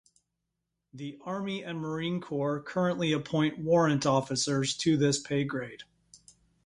The Army and Marine Corps currently appoint warrant officers to this pay grade.